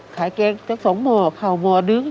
ขายเกงจักร๒โหมผ่าว๑โหม